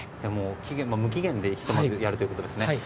期限も無期限でひと幕やるということですね。